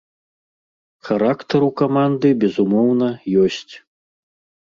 Характар у каманды, безумоўна, ёсць.